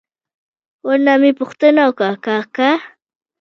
ور نه مې پوښتنه وکړه: کاکا!